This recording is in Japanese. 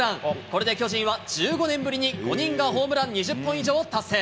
これで巨人は１５年ぶりに５人がホームラン２０本以上を達成。